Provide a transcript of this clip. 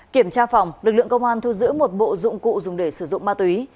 kiểm tra phòng lực lượng công an thu giữ một bộ dụng cụ dùng để sử dụng ma túy